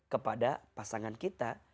kepada pasangan kita